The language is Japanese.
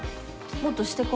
もっとしてこ。